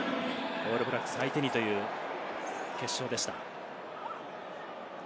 オールブラックス相手にという決勝でした。